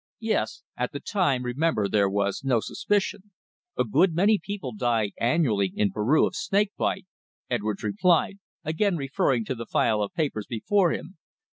"Yes. At the time, remember, there was no suspicion. A good many people die annually in Peru of snake bite," Edwards replied, again referring to the file of papers before him.